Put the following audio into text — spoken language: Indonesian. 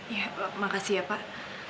ya makasih ya pak